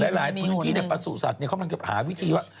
หลายพื้นที่ประสูจน์สัตว์เขามาหาวิธีว่า